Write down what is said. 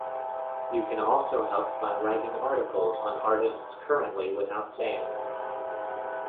You can also help by writing articles on artists currently without same.